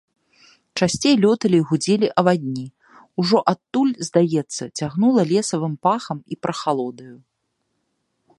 Часцей лёталі і гудзелі авадні, ужо адтуль, здаецца, цягнула лесавым пахам і прахалодаю.